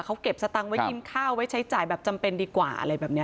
เขาเก็บสตังค์ไว้กินข้าวไว้ใช้จ่ายแบบจำเป็นดีกว่าอะไรแบบนี้